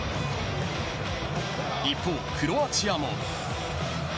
一方、クロアチアも。